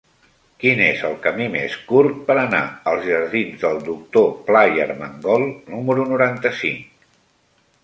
Quin és el camí més curt per anar als jardins del Doctor Pla i Armengol número noranta-cinc?